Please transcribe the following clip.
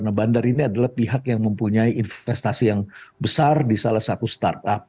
nah bandar ini adalah pihak yang mempunyai investasi yang besar di salah satu startup